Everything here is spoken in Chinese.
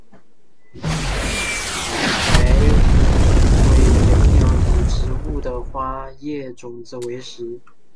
白尾雷鸟以植物的花叶种子为食。